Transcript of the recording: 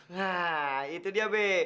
nah itu dia mbak